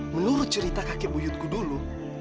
menurut cerita kakek buyutku dulu